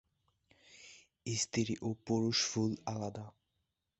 স্ত্রী ও পুরুষ ফুল আলাদা।